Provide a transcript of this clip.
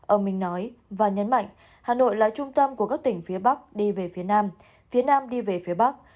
ông minh nói và nhấn mạnh hà nội là trung tâm của các tỉnh phía bắc đi về phía nam phía nam đi về phía bắc